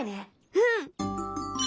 うん。